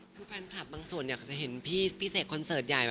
คือแฟนคลับบางส่วนอยากจะเห็นพี่เสกคอนเสิร์ตใหญ่